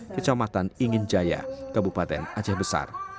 kecamatan ingin jaya kabupaten aceh besar